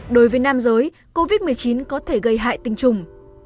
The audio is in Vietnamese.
đối với nam giới covid một mươi chín có thể gây hại tinh trùng